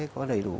có đầy đủ